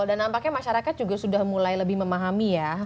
dan nampaknya masyarakat juga sudah mulai lebih memahami ya